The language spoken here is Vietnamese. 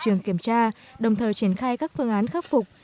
trường kiểm tra đồng thời triển khai các phương án khắc phục